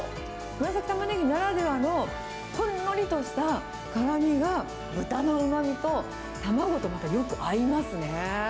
紫たまねぎならではの、ほんのりとした辛みが、豚のうまみと卵とまたよく合いますね。